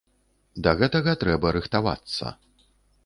Да гэтага трэба рыхтавацца.